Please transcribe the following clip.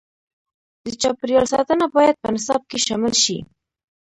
د چاپیریال ساتنه باید په نصاب کې شامل شي.